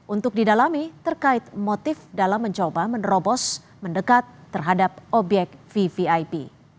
untuk didalami terkait motif dalam mencoba menerobos mendekat terhadap obyek vvip